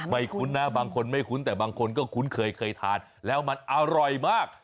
คุ้นนะบางคนไม่คุ้นแต่บางคนก็คุ้นเคยเคยทานแล้วมันอร่อยมาก